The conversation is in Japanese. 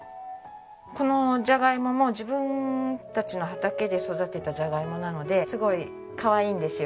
このジャガイモも自分たちの畑で育てたジャガイモなのですごいかわいいんですよ。